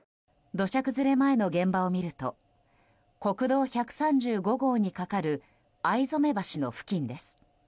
土砂崩れ前の現場を見ると国道１３５号に架かる逢初橋の付近です。